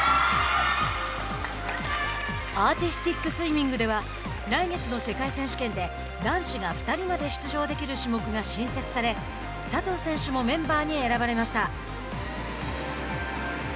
アーティスティックスイミングでは来月の世界選手権で男子が２人まで出場できる種目が新設され佐藤選手もメンバーに選ばれました。